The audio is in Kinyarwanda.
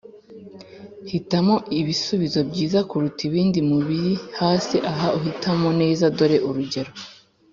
Hitamo ibisubizo byiza kuruta ibindi mu biri hasi aha uhitamo neza Dore urugero